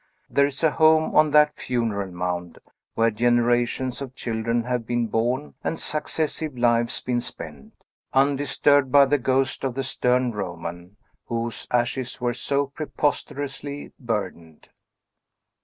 There is a home on that funereal mound, where generations of children have been born, and successive lives been spent, undisturbed by the ghost of the stern Roman whose ashes were so preposterously burdened.